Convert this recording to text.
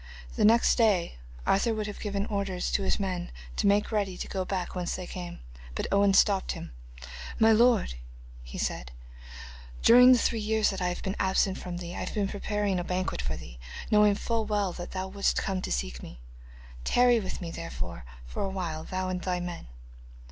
The next day Arthur would have given orders to his men to make ready to go back whence they came, but Owen stopped him. 'My lord,' he said, 'during the three years that I have been absent from thee I have been preparing a banquet for thee, knowing full well that thou wouldst come to seek me. Tarry with me, therefore, for a while, thou and thy men.